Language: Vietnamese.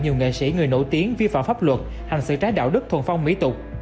nhiều nghệ sĩ người nổi tiếng vi phạm pháp luật hành sự trái đạo đức thuần phong mỹ tục